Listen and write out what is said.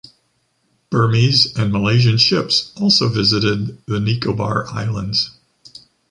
Burmese and Malaysian ships also visited the Nicobar islands.